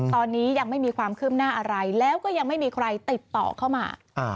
ตอนนี้ยังไม่มีความคืบหน้าอะไรแล้วก็ยังไม่มีใครติดต่อเข้ามา